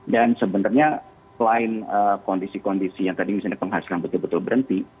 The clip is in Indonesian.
dan sebenarnya selain kondisi kondisi yang tadi misalnya penghasilan betul betul berhenti